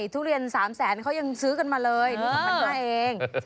ทุเรียน๓แสนเขายังซื้อกันมาเลยนี่๒๕๐๐เอง